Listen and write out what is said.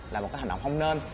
là một cái hành động không nên